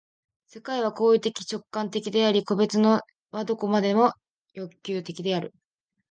世界は行為的直観的であり、個物は何処までも欲求的である。